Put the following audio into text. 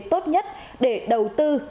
tốt nhất để đầu tư